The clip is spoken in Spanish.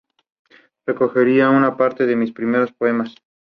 Recogería una parte de mis primeros poemas.